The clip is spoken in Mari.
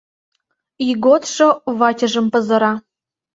Ийготшо вачыжым пызыра.